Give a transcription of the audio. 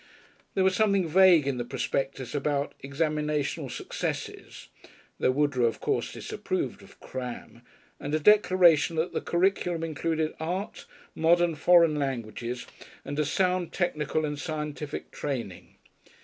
There was something vague in the prospectus about "examinational successes" though Woodrow, of course, disapproved of "cram" and a declaration that the curriculum included "art," "modern foreign languages" and "a sound technical and scientific training."